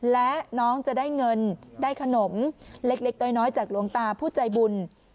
และน้องจะได้เงินได้ขนมเล็กน้อยจากหลวงตาผู้ใจบุญ